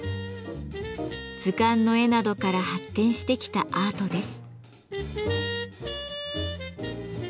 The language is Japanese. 図鑑の絵などから発展してきたアートです。